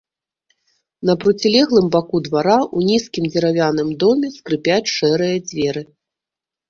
На процілеглым баку двара, у нізкім дзеравяным доме скрыпяць шэрыя дзверы.